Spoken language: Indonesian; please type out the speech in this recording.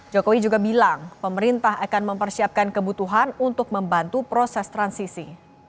jokowi juga bilang pemerintah akan mempersiapkan kebutuhan untuk membantu proses transisi